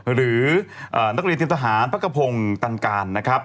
หรือนักเรียนเตรียมทหารพระกระพงตันการนะครับ